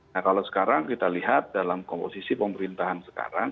nah kalau sekarang kita lihat dalam komposisi pemerintahan sekarang